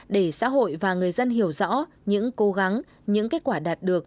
để xã hội và người dân hiểu rõ những cố gắng những kết quả đạt được